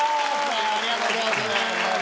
ありがとうございます。